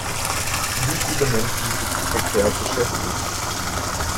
Wie viele Menschen sind prekär beschäftigt?